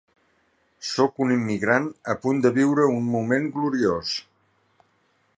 Sóc un immigrant a punt de viure un moment gloriós.